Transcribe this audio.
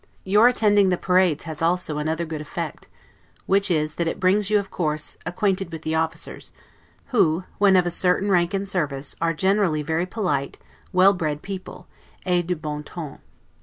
Your attending the parades has also another good effect, which is, that it brings you, of course, acquainted with the officers, who, when of a certain rank and service, are generally very polite, well bred people, 'et du bon ton'.